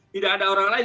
tidak ada orang lain